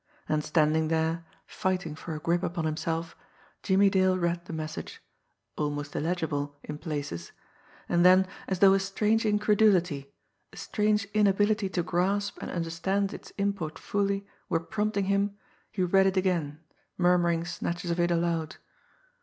And standing there, fighting for a grip upon himself, Jimmie Dale read the message almost illegible! in places and then, as though a strange incredulity, a strange inability to grasp and understand its import fully, were prompting him, he read it again, murmuring snatches of it aloud.